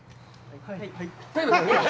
はい。